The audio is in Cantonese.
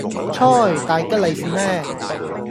啋,大吉利是咩